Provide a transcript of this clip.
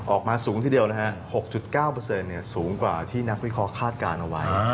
ออกมาสูงทีเดียวนะฮะ๖๙สูงกว่าที่นักวิเคราะห์คาดการณ์เอาไว้